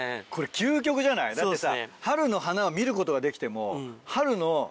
だってさ。